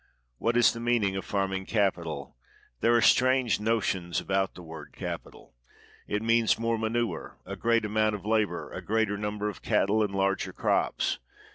What is the meaning of farming capital ? There are strange notions about the word "capital." It means more manure, a great amount of labor, a greater number of cattle, and larger crops.